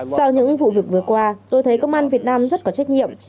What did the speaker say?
sau những vụ việc vừa qua tôi thấy công an việt nam rất có trách nhiệm